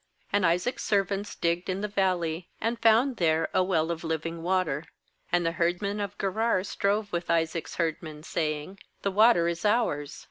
19And Isaac's serv ants digged in the valley, and found there a well of living water. 20And the herdmen of Gerar strove with Isaac's herdmen, saying: 'The water is ours.'